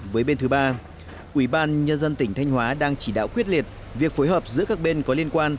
với bên thứ ba ủy ban nhân dân tỉnh thanh hóa đang chỉ đạo quyết liệt việc phối hợp giữa các bên có liên quan